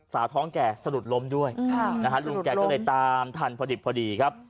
สาวท้องแก่สะดุดล้มด้วยลุงแกก็เลยตามทันพอดิบพอดีครับ